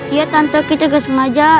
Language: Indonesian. iya tante kita gak sengaja